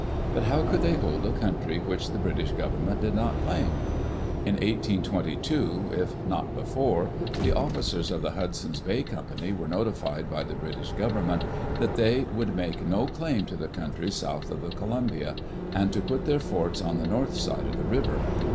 But how could they hold a country which the British Government did not claim? In 1822, if not before, the officers of the Hudson's Bay Com pany were notified by the British Government that they would make no claim to the country south of the Columbia, and to put their forts on the north side of the river.